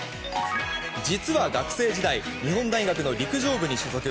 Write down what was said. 実は学生時代日本大学の陸上部に所属。